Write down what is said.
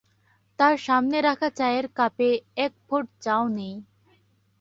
তাঁর সামনে রাখা চায়ের কাপে এক ফোঁট চাও নেই।